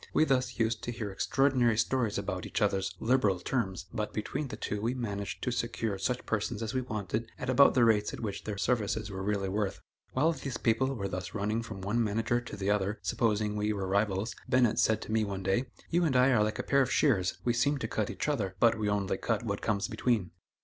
We thus used to hear extraordinary stories about each other's "liberal terms," but between the two we managed to secure such persons as we wanted at about the rates at which their services were really worth. While these people were thus running from one manager to the other, supposing we were rivals, Bennett said to me one day: "You and I are like a pair of shears; we seem to cut each other, but we only cut what comes between."